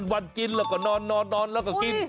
วันกินแล้วก็นอนแล้วก็กิน